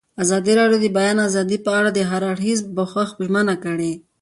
ازادي راډیو د د بیان آزادي په اړه د هر اړخیز پوښښ ژمنه کړې.